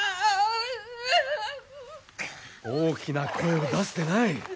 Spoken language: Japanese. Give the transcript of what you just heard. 大きな声を出すでない。